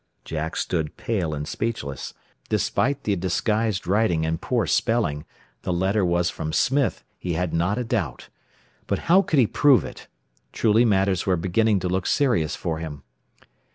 Jack stood pale and speechless. Despite the disguised writing and poor spelling, the letter was from Smith, he had not a doubt. But how could he prove it? Truly matters were beginning to look serious for him.